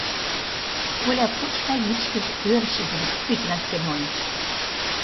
Коля поч гай вичкыж ӧрышыжым пӱтыра Семон.